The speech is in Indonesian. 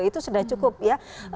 itu sudah cukup ya